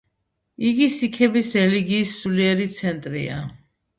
იგი სიქების რელიგიის სულიერი ცენტრია.